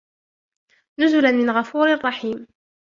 نزلا من غفور رحيم